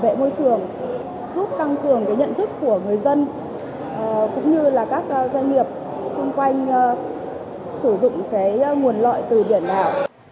giúp căng cường nhận thức của người dân cũng như các doanh nghiệp xung quanh sử dụng nguồn loại từ biển đảo